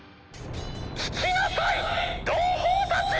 「聴きなさい同胞たちよ！